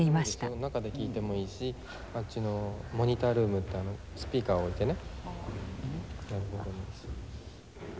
この中で聴いてもいいしあっちのモニタールームってあのスピーカー置いてね。